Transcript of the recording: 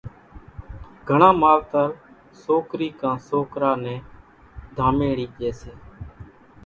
گھڻان ماوَتر سوڪرِي ڪان سوڪرا نين ڌاميڙِي ڄيَ سي۔